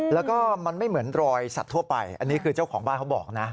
แล้วก็มันไม่เหมือนรอยสัตว์ทั่วไปอันนี้คือเจ้าของบ้านเขาบอกนะ